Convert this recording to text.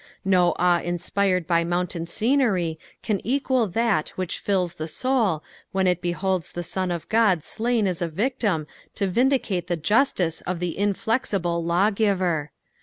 No awe inspired by mountain scenery can equal that which fills the soul when it beholds the Son of Ood slain as a victjm to vindicate the justice of the Inflexible Lawgiver.